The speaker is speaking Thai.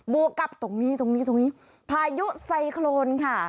วกกับตรงนี้ตรงนี้ตรงนี้พายุไซโครนค่ะ